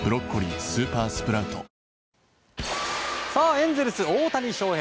エンゼルス、大谷翔平。